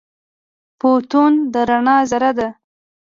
فوتون د رڼا ذره ده.